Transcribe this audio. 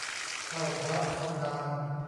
เข้าพระเข้านาง